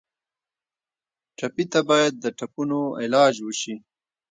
ټپي ته باید د ټپونو علاج وشي.